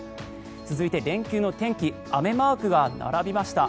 続いて連休の天気雨マークが並びました。